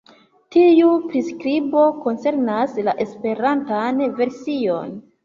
Tiu priskribo koncernas la Esperantan version.